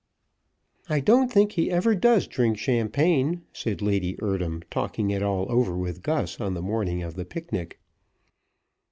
"I don't think he ever does drink champagne," said Lady Eardham, talking it all over with Gus on the morning of the picnic.